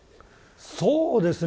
そうですね。